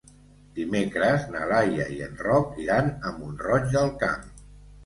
Dimecres na Laia i en Roc iran a Mont-roig del Camp.